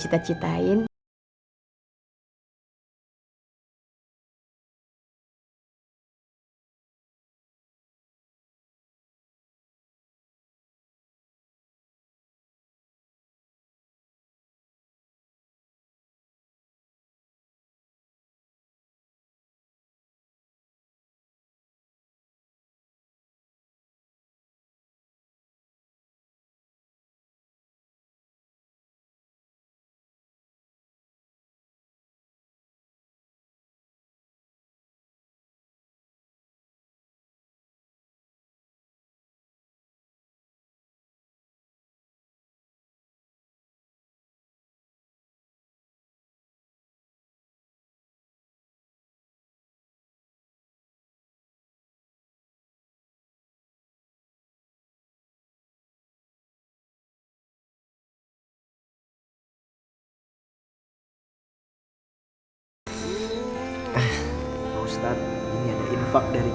tapi kita juga gak boleh lupa bang